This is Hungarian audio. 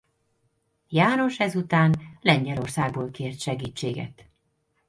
János ezután Lengyelországból kért segítséget.